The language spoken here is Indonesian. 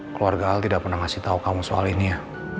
keluarga al tidak pernah ngasih tahu kamu soal ini ya